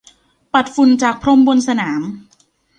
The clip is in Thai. ปัดฝุ่นจากพรมบนสนาม